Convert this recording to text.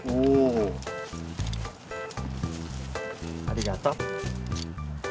ありがとう。